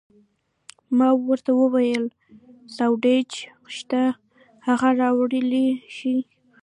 ما ورته وویل: سانډویچ شته، هغه راوړلی شې؟